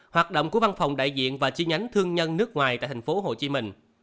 một mươi một hoạt động của văn phòng đại diện và chi nhánh thương nhân nước ngoài tại tp hcm